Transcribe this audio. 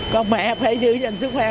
còn mẹ phải giữ gìn sức khỏe cho mẹ